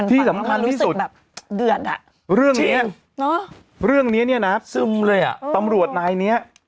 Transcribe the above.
ที่สำคัญที่สุดเรื่องนี้เนี่ยนะทำรวจนายนี่